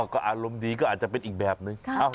ก็อารมณ์ดีก็อาจจะเป็นอีกแบบนึง